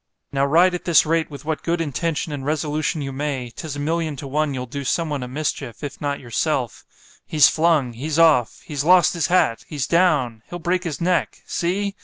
Now ride at this rate with what good intention and resolution you may——'tis a million to one you'll do some one a mischief, if not yourself——He's flung—he's off—he's lost his hat—he's down——he'll break his neck——see!